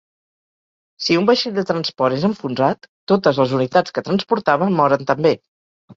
Si un vaixell de transport és enfonsat, totes les unitats que transportava moren també.